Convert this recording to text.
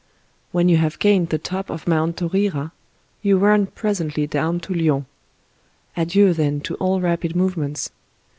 When you have gained the top of Mount Taurira, you run presently down to Lyons. Adieu then to all rapid movements